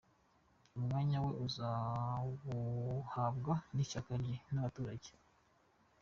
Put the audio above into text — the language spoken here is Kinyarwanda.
Umwanya we azawuhabwa n’ishyaka rye, n’abaturage.